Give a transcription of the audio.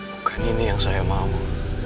bukan ini yang saya mau